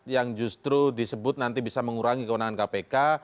yang justru disebut nanti bisa mengurangi kewenangan kpk